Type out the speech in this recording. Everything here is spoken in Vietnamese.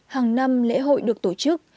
hàng năm lễ hội được tổ chức